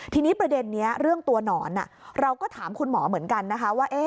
ทีนี้ประเด็นนี้เรื่องตัวหนอนเราก็ถามคุณหมอเหมือนกันนะคะว่า